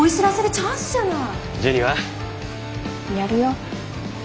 やるよ。